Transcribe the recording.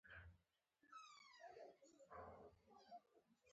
دا ورته یو ستر چلنج ګڼل کېده.